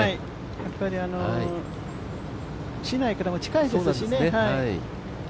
やっぱり、市内からも近いですからね。